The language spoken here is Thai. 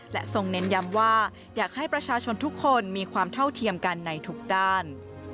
และทรงเน้นย้ำว่าอยากให้ประชาชนทุกคนมีความเท่าเทียมกันในทุกด้าน